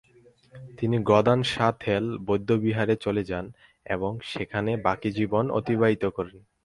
তিনি গ্দান-সা-থেল বৌদ্ধবিহারে চলে যান এবং সেখানে বাকি জীবন অতিবাহিত করেন।